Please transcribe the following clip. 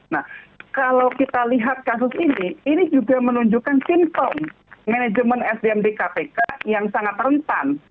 nah kalau kita lihat kasus ini ini juga menunjukkan simptom manajemen sdm di kpk yang sangat rentan